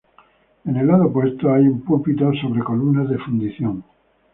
En el lado opuesto, hay un púlpito sobre columnas de fundición.